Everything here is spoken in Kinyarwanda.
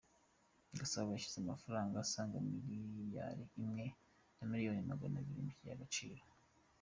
Gasabo yashyize amafaranga asaga miliyali imwe na miliyoni Maganabiri mu kigega Agaciro